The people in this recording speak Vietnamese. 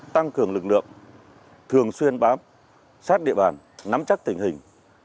tăng cường lực lượng thường xuyên bám sát địa bàn nắm chắc tình hình